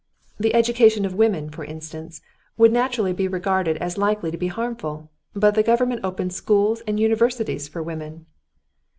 The education of women, for instance, would naturally be regarded as likely to be harmful, but the government opens schools and universities for women."